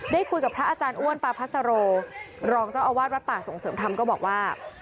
ได้คุยกับพระอาจารย์อ้วนปาพัสโรรองเจ้าอาวาสวัดป่าส่งเสริมธรรมก็บอกว่า